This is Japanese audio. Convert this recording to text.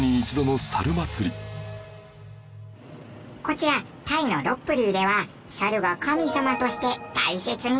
こちらタイのロッブリーではサルは神様として大切にされています。